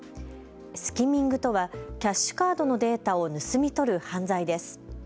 スキミングとはキャッシュカードのデータを盗み取る犯罪です。